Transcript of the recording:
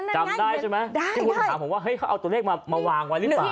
จำได้ใช่ไหมที่คุณถามผมว่าเฮ้ยเขาเอาตัวเลขมาวางไว้หรือเปล่า